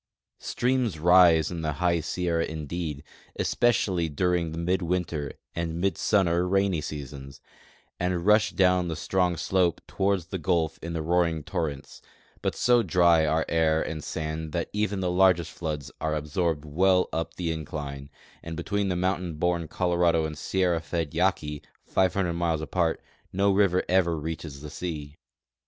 Streams rise in the high Sierra indeed, espe cially during the midwinter and midsummer rainy seasons, and rush down the strong slope toward the gulf in roaring torrents ; but so diy are air and sand that even the largest floods are ab sorbed well up the incline — and between mountain born Colo rado and sierra fed Yaki, 500 miles apart, no river ever reaches the sea.